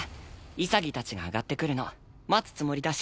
潔たちが上がってくるの待つつもりだし。